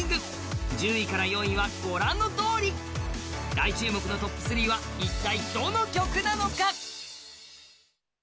大注目のトップ３は一体どの曲なのか？